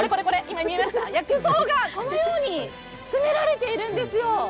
薬草がこのように詰められているんですよ。